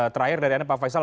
terakhir dari anda pak faisal